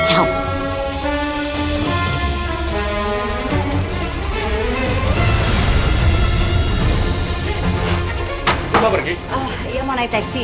iya mau naik taksi